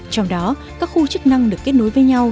trong đó các khu chức năng được kết nối với nhau